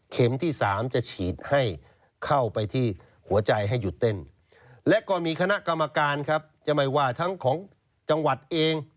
ที่๓จะฉีดให้เข้าไปที่หัวใจให้หยุดเต้นและก็มีคณะกรรมการครับจะไม่ว่าทั้งของจังหวัดเอง